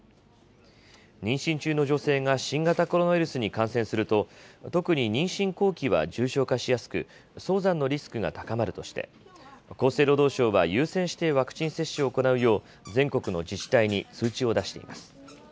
妊娠中の女性が新型コロナウイルスに感染すると、特に妊娠後期は重症化しやすく、早産のリスクが高まるとして、厚生労働省は優先してワクチン接種を行うよう、全国の自治体に通知を出しています。